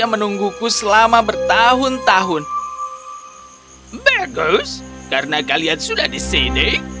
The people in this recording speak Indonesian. bagus karena kalian sudah disedih